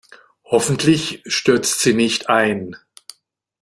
Hoffentlich stürzt sie nicht ein.